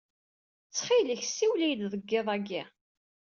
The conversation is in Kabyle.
Ttxil-k siwel-iyi-d deg iḍ-agi.